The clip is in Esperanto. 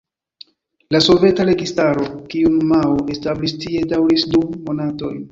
La Soveta registaro kiun Mao establis tie daŭris du monatojn.